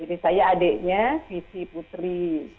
istri saya adiknya visi putri